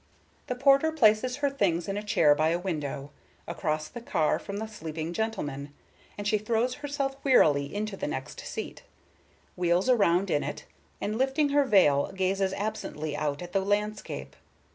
The porter places her things in a chair by a window, across the car from the sleeping gentleman, and she throws herself wearily into the next seat, wheels round in it, and lifting her veil gazes absently out at the landscape.